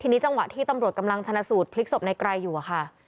ทีนี้จังหวะที่ตำรวจกำลังชนะสูตรพลิกศพในไกรอยู่อะค่ะ